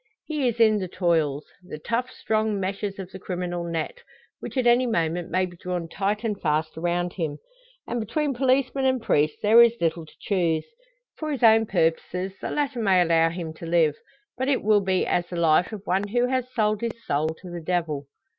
He is in the toils the tough, strong meshes of the criminal net, which at any moment may be drawn tight and fast around him; and between policeman and priest there is little to choose. For his own purposes the latter may allow him to live; but it will be as the life of one who has sold his soul to the devil!